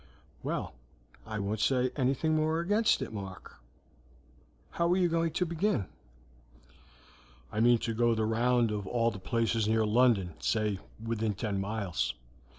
"Well, I won't say anything more against it, Mark. How are you going to begin?" "I mean to go the round of all the places near London say, within ten miles.